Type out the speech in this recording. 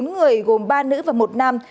bốn người gồm ba nữ và một nam